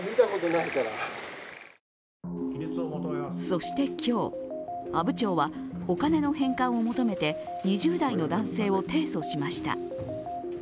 そして今日、阿武町はお金の返還を求めて２０代の男性を提訴しました。